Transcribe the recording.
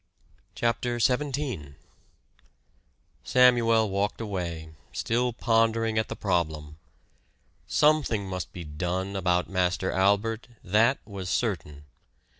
CHAPTER XVII Samuel walked away, still pondering at the problem. Something must be done about Master Albert, that was certain.